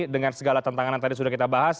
dengan segala tantangan yang tadi sudah kita bahas